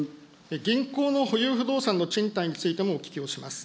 銀行の保有不動産の賃貸についてもお聞きをします。